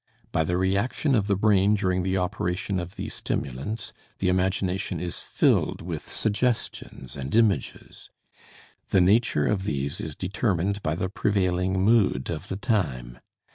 By the reaction of the brain during the operation of these stimulants, the imagination is filled with suggestions and images. The nature of these is determined by the prevailing mood of the time.